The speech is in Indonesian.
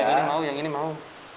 ini mau yang ini mau